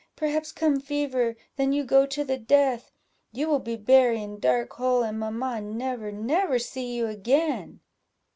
perhaps come fever, then you go to the death, you will be bury in dark hole, and mamma never, never see you again."